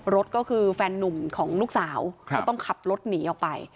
รถก็คือแฟนนุ่มของลูกสาวก็ต้องขับรถหนีออกไป